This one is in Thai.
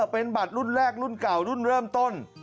เป็นบัตรรุ่นแรกรุ่นเก่ารุ่นเริ่มต้น